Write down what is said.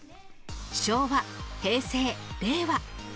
昭和、平成、令和。